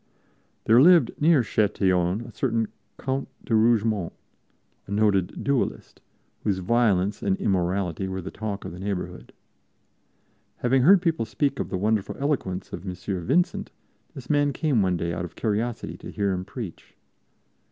There lived near Châtillon a certain Count de Rougemont, a noted duelist, whose violence and immorality were the talk of the neighborhood. Having heard people speak of the wonderful eloquence of M. Vincent, this man came one day out of curiosity to hear him preach.